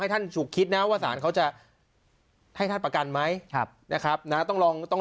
ท่านฉุกคิดนะว่าสารเขาจะให้ท่านประกันไหมนะครับนะต้องลองต้อง